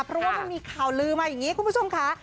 เพราะว่ามันมีข่าวลือมาอย่างนี้คุณผู้ชมค่ะ